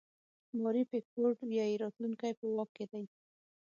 ماري پیکفورډ وایي راتلونکی په واک کې دی.